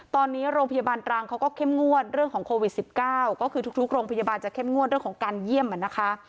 ตอนนี้โรงพยาบาลตรังเขาก็เข้มงวดเรื่องของโควิด๑๙ก็คือทุกโรงพยาบาลจะเข้มงวดเรื่องของการเยี่ยมนะคะ